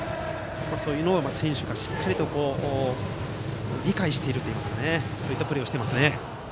そういうのを選手がしっかりと理解しているといいますかそういったプレーをしていますね。